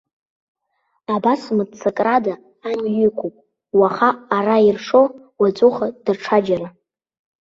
Абас мыццакрада амҩа иқәуп, уаха ара иршо, уаҵәуха даҽаџьара.